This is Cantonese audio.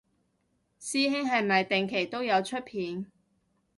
師兄係咪定期都有出片